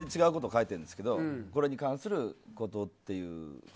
内容は全然違うこと書いてるんですけどこれに関することっていう。